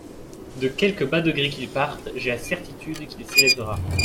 De quelque bas degré qu'il parte, j'ai la certitude qu'il s'élèvera.